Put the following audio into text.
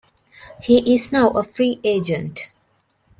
He is now a Free Agent.